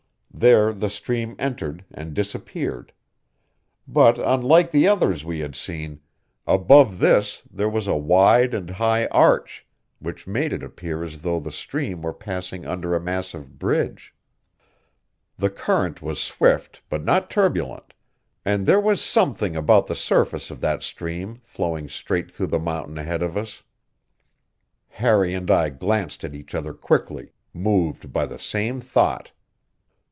There the stream entered and disappeared. But, unlike the others we had seen, above this there was a wide and high arch, which made it appear as though the stream were passing under a massive bridge. The current was swift but not turbulent, and there was something about the surface of that stream flowing straight through the mountain ahead of us Harry and I glanced at each other quickly, moved by the same thought.